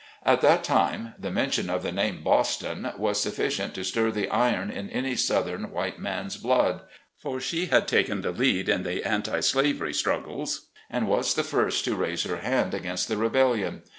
At that time the mention of the name Boston was suffi cient to stir the iron in any southern white man's blood. For she had taken the lead in the anti slavery struggles and was the first to raise her hand against the Rebellion.